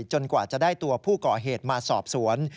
กว่าจะได้ตัวผู้ก่อเหตุมาสอบสวน